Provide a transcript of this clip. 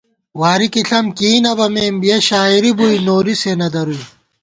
واری کی ݪم کېئ نہ بَمېم، یَہ شاعری بُوئی نوری سےنہ درُوئی